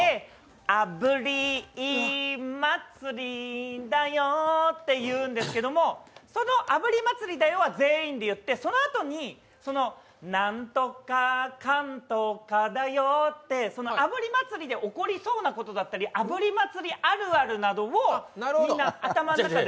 あぶり祭りだよって言うんですけど、その「あぶり祭りだよ」は全員で言ってそのあとに、なんとかかんとかだよって「あぶり祭り」で起こりそうなことだったり、「あぶり祭り」あるあるなどをみんな頭の中で。